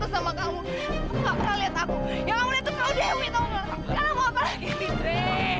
yang kamu lihat itu kalau dewi tahu nggak